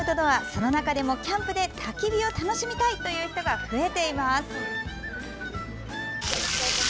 その中でも、キャンプでたき火を楽しみたいという人が増えています。